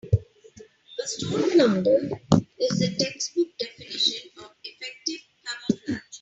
A stone flounder is the textbook definition of effective camouflage.